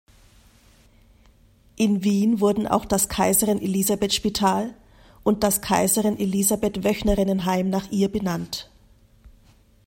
In Wien wurden auch das Kaiserin-Elisabeth-Spital und das Kaiserin-Elisabeth-Wöchnerinnenheim nach ihr benannt.